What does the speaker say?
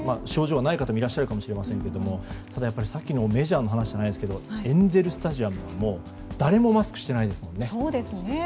症状はない方いらっしゃるかもしれませんがただ、さっきのメジャーの話ではないですがエンゼル・スタジアム誰もマスクしてないですもんね。